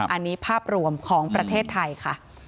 อันนี้ภาพรวมของประเทศไทยค่ะ